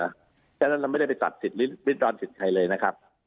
เพราะฉะนั้นเราไม่ได้ไปตัดสิทธิวิดรอนสิทธิ์ใครเลยนะครับ